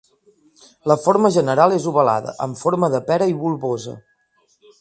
La forma general és ovalada, amb forma de pera i bulbosa.